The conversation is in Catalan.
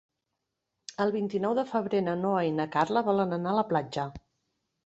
El vint-i-nou de febrer na Noa i na Carla volen anar a la platja.